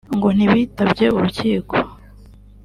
ngo ntibitabye urukiko